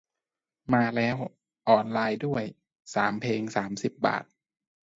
มาแล้ว ออนไลน์ด้วย สามเพลงสามสิบบาท